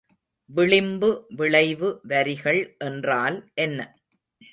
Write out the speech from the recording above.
விளிம்பு விளைவு வரிகள் என்றால் என்ன?